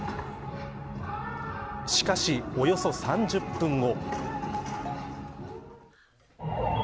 しかし、およそ３０分後。